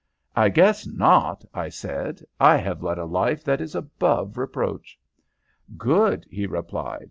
"I guess not," I said. "I have led a life that is above reproach." "Good!" he replied.